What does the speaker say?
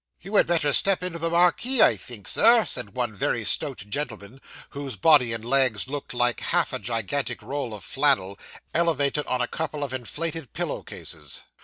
'You had better step into the marquee, I think, Sir,' said one very stout gentleman, whose body and legs looked like half a gigantic roll of flannel, elevated on a couple of inflated pillow cases.